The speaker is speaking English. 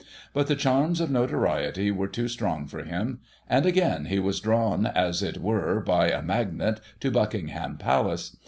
But the charms of notoriety were too strong for him; and, again, he was drawn, as it were by a magnet, to Buckingham Palace.